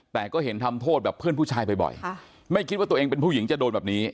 แต่ก็เห็นทำโทษแบบเพื่อนผู้ชายบ่อยไม่คิดว่าตัวเองเป็นผู้หญิงจะโดนแบบนี้